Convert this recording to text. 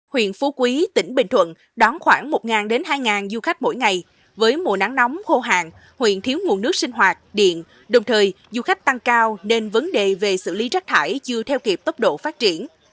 huyện phú quý tỉnh bình thuận đón khoảng một hai du khách mỗi ngày với mùa nắng nóng khô hạn huyện thiếu nguồn nước sinh hoạt điện đồng thời du khách tăng cao nên vấn đề về xử lý rác thải chưa theo kịp tốc độ phát triển